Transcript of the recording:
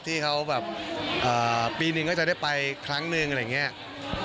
ที่เขาแบบปีหนึ่งก็จะได้ไปครั้งหนึ่งอะไรอย่างนี้